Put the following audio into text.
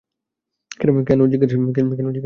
কেন জিজ্ঞাসা করেছিলে তাহলে?